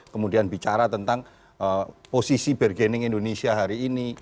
kemudian bicara tentang posisi bergening indonesia hari ini